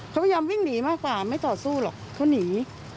เขาพยายามวิ่งหนีมากกว่าไม่ต่อสู้หรอกเขาหนี